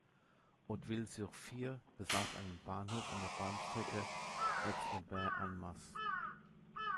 Hauteville-sur-Fier besaß einen Bahnhof an der Bahnstrecke Aix-les-Bains–Annemasse.